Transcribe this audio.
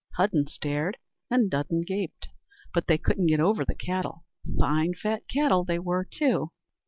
Hudden stared, and Dudden gaped; but they couldn't get over the cattle: fine fat cattle they were too.